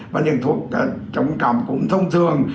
và những thuốc chống cảm cũng thông thường